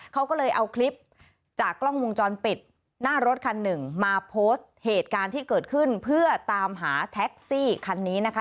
เขาก็เลยเอาคลิปจากกล้องวงจรปิดหน้ารถคันหนึ่งมาโพสต์เหตุการณ์ที่เกิดขึ้นเพื่อตามหาแท็กซี่คันนี้นะคะ